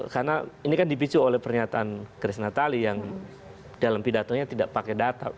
karena ini kan dipicu oleh pernyataan chris natali yang dalam pidatonya tidak pakai data